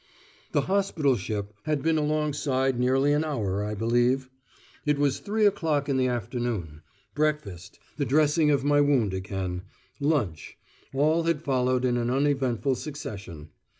The hospital ship had been alongside nearly an hour, I believe. It was three o'clock in the afternoon. Breakfast, the dressing of my wound again, lunch; all had followed in an uneventful succession.